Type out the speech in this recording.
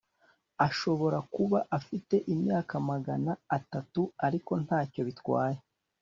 Ashobora kuba afite imyaka magana atatu ariko ntacyo bitwaye